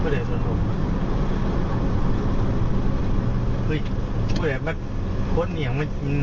รถล้อมรถล้อมทาง